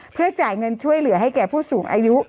เพื่อจ่ายเงินช่วยเหลือให้แก่ผู้สูงอายุ